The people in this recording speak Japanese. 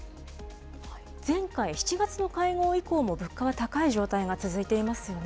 前回・７月の会合以降も物価は高い状態が続いていますよね。